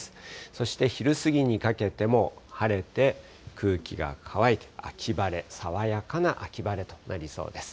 そして昼過ぎにかけても、晴れて空気が乾いて、秋晴れ、爽やかな秋晴れとなりそうです。